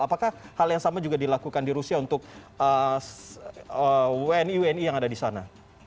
apakah hal yang sama juga dilakukan di rusia untuk wni wni yang ada di sana